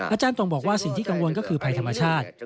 อาจารย์ตรงบอกว่าสิ่งที่กังวลก็คือภัยธรรมชาติ